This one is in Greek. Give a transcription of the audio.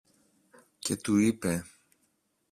και του είπε